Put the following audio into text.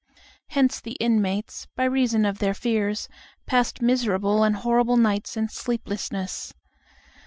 Hence the inmates, by reason of their fears, passed miserable and horrible nights in sleeplessness.